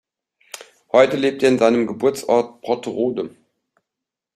Heute lebt er in seinem Geburtsort Brotterode.